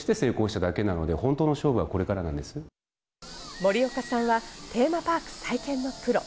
森岡さんはテーマパーク再建のプロ。